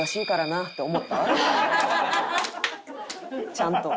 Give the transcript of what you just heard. ちゃんと。